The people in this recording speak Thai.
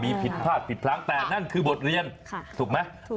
มีผิดพลาดผิดพลั้งแต่นั่นคือบทเรียนถูกไหม